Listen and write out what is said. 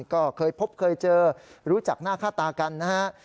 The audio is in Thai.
ก็เคยพบเคยเจอรู้จักหน้าค่าตากันนะฮะ